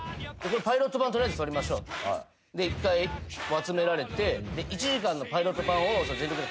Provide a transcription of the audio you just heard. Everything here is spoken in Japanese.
「パイロット版取りあえず撮りましょう」で一回集められて１時間のパイロット版を全力で撮って。